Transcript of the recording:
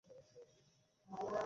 অপরাধী তো তুমি।